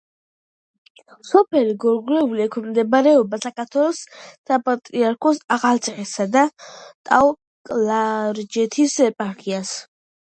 სოფელი გორგული ექვემდებარება საქართველოს საპატრიარქოს ახალციხისა და ტაო-კლარჯეთის ეპარქიას.